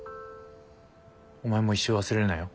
お前も一生忘れるなよ。